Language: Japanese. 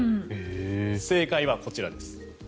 正解はこちらです。